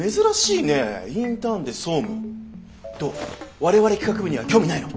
我々企画部には興味ないの？